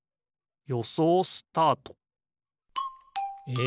よそうスタート！え